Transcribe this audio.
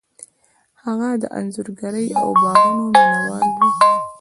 هغه د انځورګرۍ او باغونو مینه وال و.